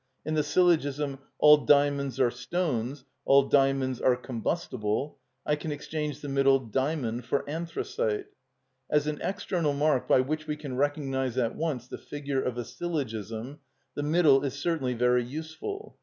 In the syllogism: All diamonds are stones; All diamonds are combustible: I can exchange the middle "diamond" for "anthracite." As an external mark by which we can recognise at once the figure of a syllogism the middle is certainly very useful.